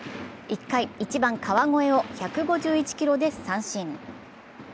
１回、１番・川越を１５１キロで三振。